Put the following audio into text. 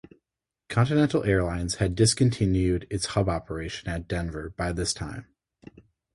Continental Airlines had discontinued its hub operation at Denver by this time.